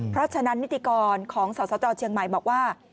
เพราะฉะนั้นนิติกรของสสจเชียงใหม่บอกว่า